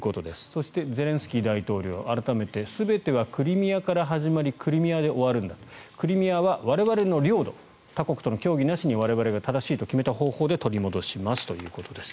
そしてゼレンスキー大統領改めて全てはクリミアから始まりクリミアで終わるんだクリミアは我々の領土他国との協議なしに我々が正しいと決めた方法で取り戻しますということです。